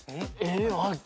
えっ？